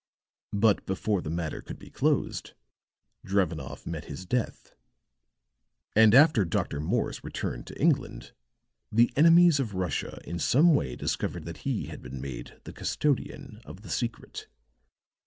But before the matter could be closed, Drevenoff met his death; and after Dr. Morse returned to England, the enemies of Russia in some way discovered that he had been made the custodian of the secret.